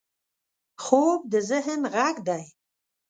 خوب د ذهن غږ دی